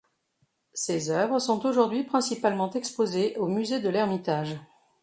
Ses œuvres sont aujourd'hui principalement exposées au Musée de l'Ermitage.